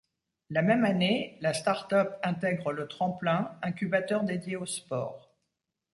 La même année, la startup intègre Le Tremplin, incubateur dédié au sport.